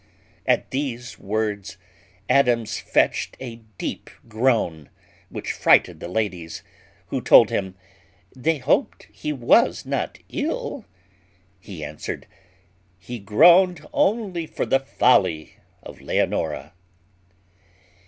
At these words, Adams fetched a deep groan, which frighted the ladies, who told him, "They hoped he was not ill." He answered, "He groaned only for the folly of Leonora."